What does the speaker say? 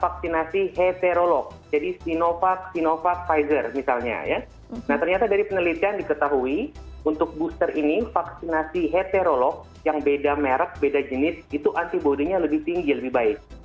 vaksinasi heterolog jadi sinovac sinovac pfizer misalnya ya nah ternyata dari penelitian diketahui untuk booster ini vaksinasi heterolog yang beda merek beda jenis itu antibody nya lebih tinggi lebih baik